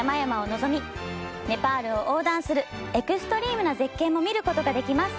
ネパールを横断するエクストリームな絶景も見ることができます。